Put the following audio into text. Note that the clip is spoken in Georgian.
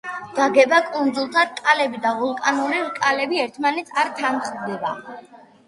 გაგება კუნძულთა რკალები და ვულკანური რკალები ერთმანეთს არ თანხვდება.